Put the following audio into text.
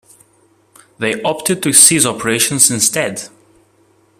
They opted to cease operations instead.